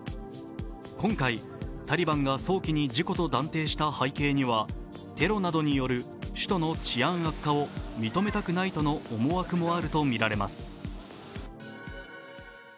今回、タリバンが早期に事故と断定した背景にはテロなどによる首都の治安悪化を認めたくないとの思惑もあるとみられます。